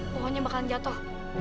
pohonnya bakalan jatuh